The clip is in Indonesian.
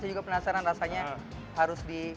saya juga penasaran rasanya harus di